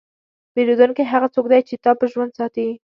پیرودونکی هغه څوک دی چې تا په ژوند ساتي.